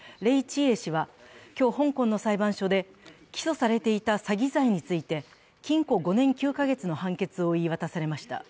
英氏は、今日、香港の裁判所で起訴されていた詐欺罪について禁錮５年９か月の判決を言い渡されました。